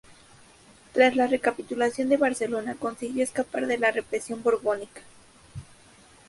Tras la capitulación de Barcelona consiguió escapar de la represión borbónica.